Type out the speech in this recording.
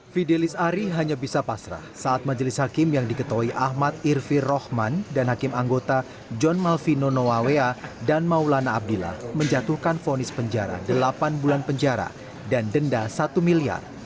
fidelis ari hanya bisa pasrah saat majelis hakim yang diketahui ahmad irfir rohman dan hakim anggota john malvino nowawea dan maulana abdillah menjatuhkan fonis penjara delapan bulan penjara dan denda satu miliar